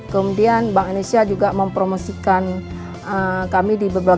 kemudian bank indonesia juga mempromosikan kami di beberapa